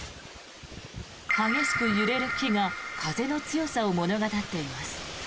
激しく揺れる木が風の強さを物語っています。